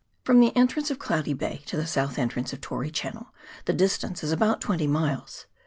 From the entrance of Cloudy Bay to the south entrance of Tory Channel the distance is about twenty miles.